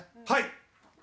はい！